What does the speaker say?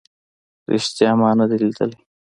ریښتیا ما نه دی لیدلی